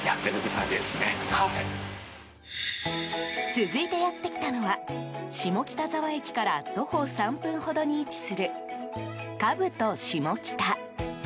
続いてやってきたのは下北沢駅から徒歩３分ほどに位置するカブトシモキタ。